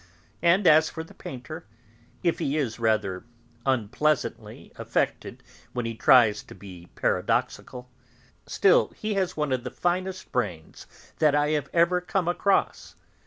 And as for the painter, if he is rather unpleasantly affected when he tries to be paradoxical, still he has one of the finest brains that I have ever come across.